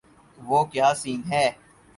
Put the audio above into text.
وہ کیا سین ہے۔